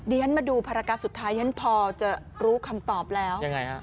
เดี๋ยวฉันมาดูภารกราศสุดท้ายพอจะรู้คำตอบแล้ว